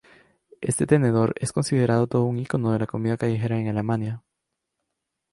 Este tenedor es considerado todo un icono de la comida callejera en Alemania.